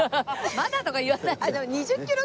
「まだ」とか言わないで。